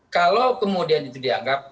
kalau kemudian itu dianggap